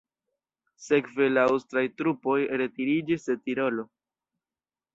Sekve la aŭstraj trupoj retiriĝis de Tirolo.